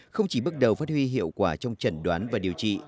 không chỉ bước đầu phát huy hiệu quả trong trần đoán và điều trị